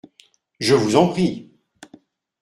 Je vous en prie !